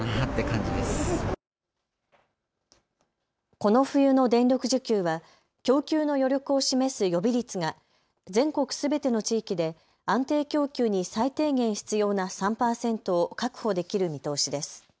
この冬の電力需給は供給の余力を示す予備率が全国すべての地域で安定供給に最低限必要な３％を確保できる見通しです。